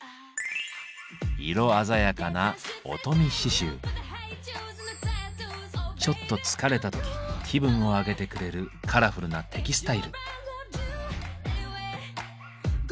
色鮮やかなちょっと疲れた時気分を上げてくれるカラフルなテキスタイル。